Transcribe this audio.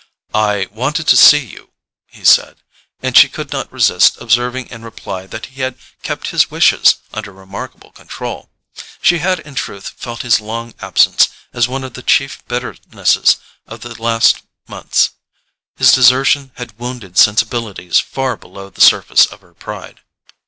"I wanted to see you," he said; and she could not resist observing in reply that he had kept his wishes under remarkable control. She had in truth felt his long absence as one of the chief bitternesses of the last months: his desertion had wounded sensibilities far below the surface of her pride.